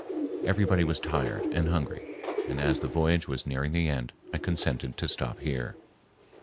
Everybody was tired and hungry, and as the voyage was nearing the end, I consented to stop here.